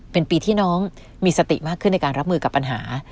เป็นปีที่น้องมีสติมากขึ้นในการรับมือกับปัญหา